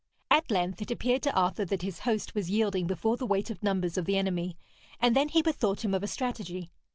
At length it appeared to Arthur that his host was yielding before the weight of numbers of the enemy, and then he bethought him of a strategy.